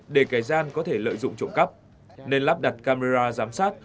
để kẻ gian có thể lợi dụng trộm cắp nên lắp đặt camera giám sát